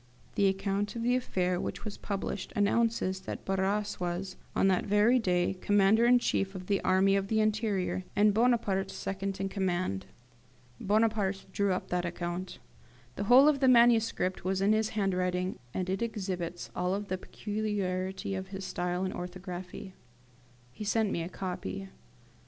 The account of the affair which was published announces that Barras was, on that very day, Commander in chief of the Army of the Interior, and Bonaparte second in command. Bonaparte drew up that account. The whole of the manuscript was in his handwriting, and it exhibits all the peculiarity of his style and orthography. He sent me a copy.